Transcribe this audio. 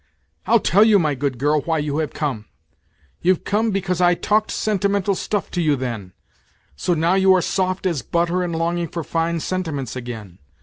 "I'll tell you, my good girl, why you have come. You've come because I talked sentimental stuff to you then. So now you are soft as butter and longing for fine sentiments again.